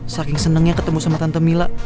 saking senengnya ketemu sama tante mila